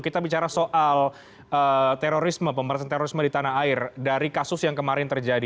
kita bicara soal terorisme pemberantasan terorisme di tanah air dari kasus yang kemarin terjadi